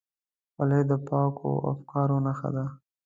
خولۍ د پاکو افکارو نښه ده.